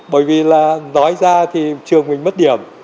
bởi vì là nói ra thì trường mình mất điểm